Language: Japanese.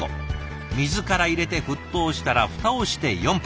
水から入れて沸騰したら蓋をして４分。